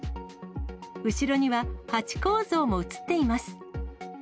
後ろにはハチ公像も写っています。